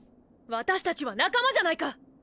私達は仲間じゃないか！